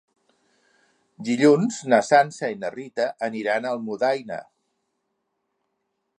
Dilluns na Sança i na Rita aniran a Almudaina.